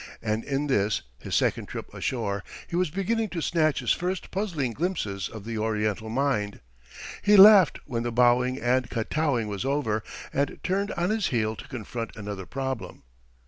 And in this, his second trip ashore, he was beginning to snatch his first puzzling glimpses of the Oriental mind. He laughed when the bowing and kotowing was over, and turned on his heel to confront another problem.